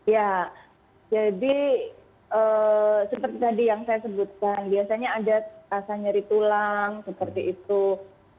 ya jadi seperti tadi yang saya sebutkan biasanya ada rasa nyeri tulang seperti itu